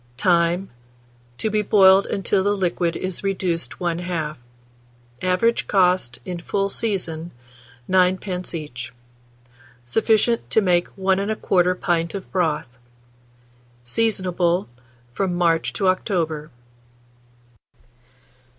Time. To be boiled until the liquid is reduced one half. Average cost, in full season, 9d. each. Sufficient to make 1 1/4 pint of broth. Seasonable from March to October.